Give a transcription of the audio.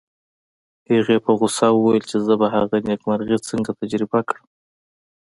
هغې په غوسه وویل چې زه به هغه نېکمرغي څنګه تجربه کړم